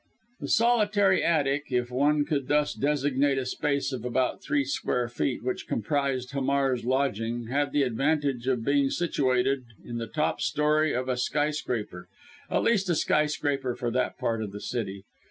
The solitary attic if one could thus designate a space of about three square feet which comprised Hamar's lodging had the advantage of being situated in the top storey of a skyscraper at least a skyscraper for that part of the city.